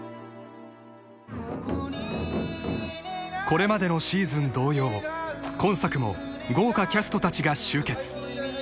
［これまでのシーズン同様今作も豪華キャストたちが集結］